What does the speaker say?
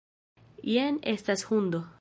Jen estas hundo.